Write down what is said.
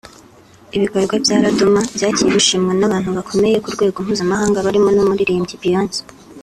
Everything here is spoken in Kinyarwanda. Ibikorwa bya Laduma byagiye bishimwa n’abantu bakomeye ku rwego mpuzamahanga barimo n’umuririmbyi Beyonce